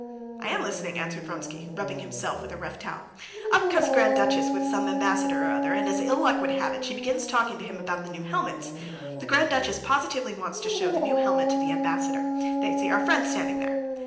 "I am listening," answered Vronsky, rubbing himself with a rough towel. "Up comes the Grand Duchess with some ambassador or other, and, as ill luck would have it, she begins talking to him about the new helmets. The Grand Duchess positively wanted to show the new helmet to the ambassador. They see our friend standing there."